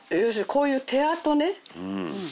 こういう手跡